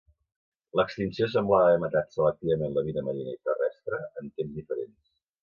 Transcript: L'extinció semblava haver matat selectivament la vida marina i terrestre en temps diferents.